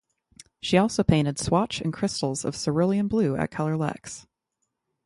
See also painted swatch and crystals of cerulean blue at ColourLex.